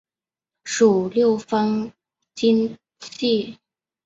属六方晶系。